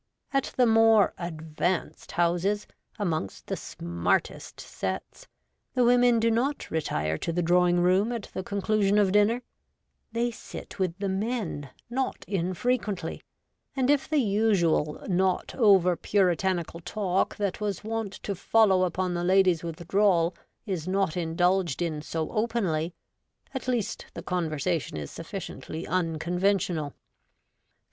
At the more ' advanced ' houses, amongst the ' smartest ' sets, the women do not retire to the drawing room at the conclusion of dinner — they sit with the men, not infrequently ; and if the usual not over Puritanical talk that was wont to follow upon the ladies' withdrawal is not indulged in so openly, at least the conversation is sufficiently un conventional.